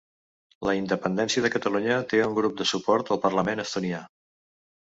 La independència de Catalunya té un grup de suport al parlament estonià